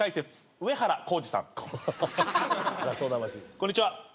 こんにちは。